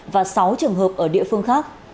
và sáu trường hợp ở địa phương khác